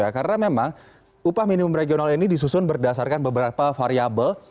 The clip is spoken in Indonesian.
karena memang upah minimum regional ini disusun berdasarkan beberapa variable